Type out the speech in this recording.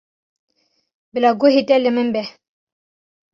Bila guhê te li min be.